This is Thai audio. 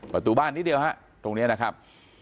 ประตูบ้านนิดเดียวฮะตรงนี้นะครับ